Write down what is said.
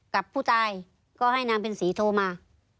กับผู้ตายก็ให้นางเพ็ญศรีโทรมา